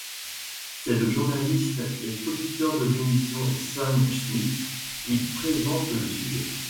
C'est le journaliste et producteur de l'émission Shane Smith qui présente le sujet.